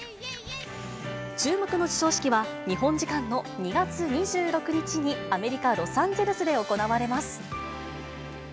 注目の授賞式は、日本時間の２月２６日にアメリカ・ロサンゼルスで行われます。